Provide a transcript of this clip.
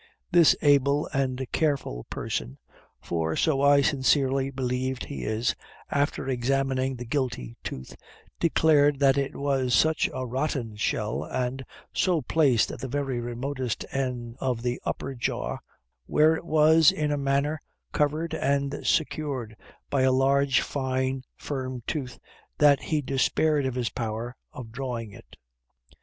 This able and careful person (for so I sincerely believe he is) after examining the guilty tooth, declared that it was such a rotten shell, and so placed at the very remotest end of the upper jaw, where it was in a manner covered and secured by a large fine firm tooth, that he despaired of his power of drawing it.